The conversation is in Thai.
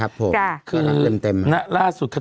โทษทีน้องโทษทีน้อง